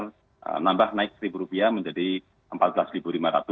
menambah naik rp satu menjadi rp empat belas lima ratus